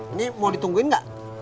ini mau ditungguin gak